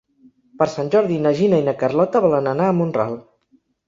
Per Sant Jordi na Gina i na Carlota volen anar a Mont-ral.